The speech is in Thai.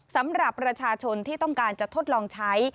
สำหรับประชาชนที่ต้องการจะทดลองใช้